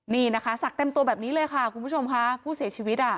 นี่นะคะศักดิ์เต็มตัวแบบนี้เลยค่ะคุณผู้ชมค่ะผู้เสียชีวิตอ่ะ